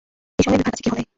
এ সময়ে বিভার কাছে কেহ নাই।